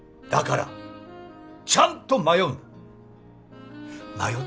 だからちゃんと迷うんだ。